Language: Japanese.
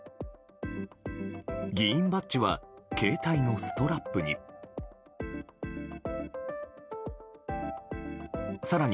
議員バッジは携帯のストラップに。